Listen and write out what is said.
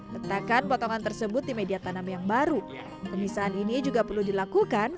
letakan potongan tersebut di media tanam yang baru penyisaan ini juga perlu dilakukan